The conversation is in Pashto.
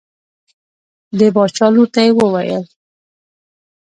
د باچا لور ته یې وویل.